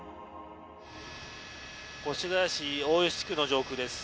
越谷市大吉地区の上空です。